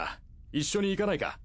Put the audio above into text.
一緒に行かないか？